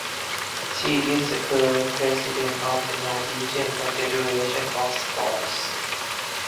She is the current president of the Norwegian Confederation of Sports.